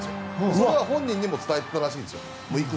それを本人にも伝えていたらしいです。